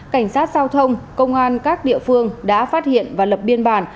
cảnh sát giao thông công an các địa phương đã phát hiện và lập biên bản